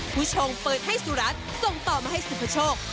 ผู้ชงเปิดให้สุรัตน์ส่งต่อมาให้สุภโชค